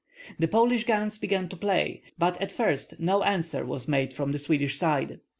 The Polish guns began to play, but at first no answer was made from the Swedish side.